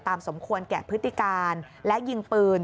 สมควรแกะพฤติการและยิงปืน